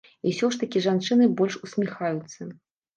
І ўсё ж такі жанчыны больш усміхаюцца.